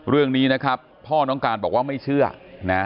เรื่องนี้นะครับพ่อน้องการบอกว่าไม่เชื่อนะ